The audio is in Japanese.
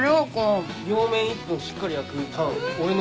両面１分しっかり焼くタン